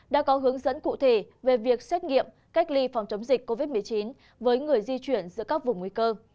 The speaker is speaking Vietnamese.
đã có hướng dẫn cụ thể về việc xét nghiệm cách ly phòng chống dịch covid một mươi chín với người di chuyển giữa các vùng nguy cơ